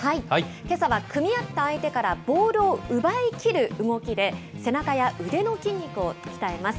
けさは組み合った相手からボールを奪いきる動きで、背中や腕の筋肉を鍛えます。